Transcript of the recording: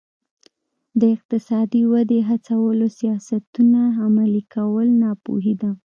د اقتصادي ودې هڅولو سیاستونه عملي کول ناپوهي نه ده.